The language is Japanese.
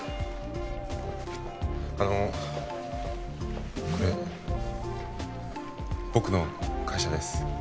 あのこれ僕の会社です